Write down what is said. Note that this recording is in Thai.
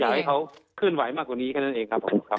อยากให้เขาเคลื่อนไหวมากกว่านี้แค่นั้นเองครับผมครับ